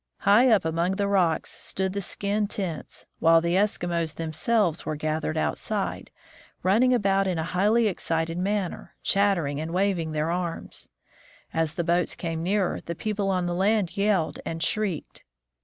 High up among the rocks stood the skin tents, while the Eskimos themselves were gathered outside, running about in a highly excited manner, chattering and waving their arms. As the boats came nearer, the people on the land yelled and shrieked.